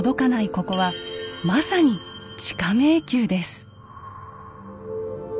ここはまさに地下迷宮です。